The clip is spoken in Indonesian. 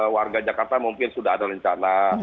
warga jakarta mungkin sudah ada rencana